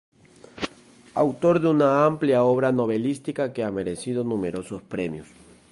Autor de una amplia obra novelística que ha merecido numerosos premios.